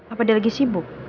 apa dia lagi sibuk